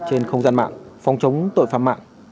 trên không gian mạng phòng chống tội phạm mạng